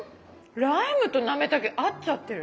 ライムとなめたけ合っちゃってる。